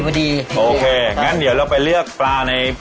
โอเคงั้นเดี๋ยวเราไปเลือกปลาใน